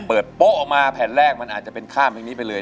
โป๊ะออกมาแผ่นแรกมันอาจจะเป็นข้ามเพลงนี้ไปเลย